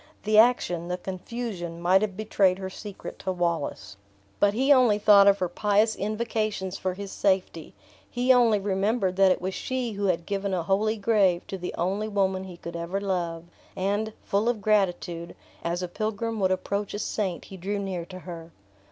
The action, the confusion might have betrayed her secret to Wallace. But he only thought of her pious invocations for his safety; he only remembered that it was she who had given a holy grave to the only woman he could ever love; and, full of gratitude, as a pilgrim would approach a saint, he drew near to her.